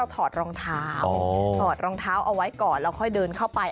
ถอดรองเท้าเอาไว้ก่อนแล้วค่อยเดินเข้าไป